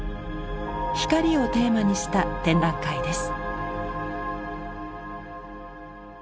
「光」をテーマにした展覧会です。